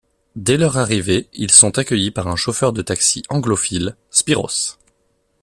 Dès leur arrivée, ils sont accueillis par un chauffeur de taxi anglophile, Spiros.